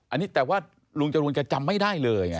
อันนี้แต่ว่าลุงจรูนแกจำไม่ได้เลยไง